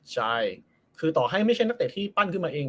ใช่คือต่อให้ไม่ใช่นักเตะที่ปั้นขึ้นมาเอง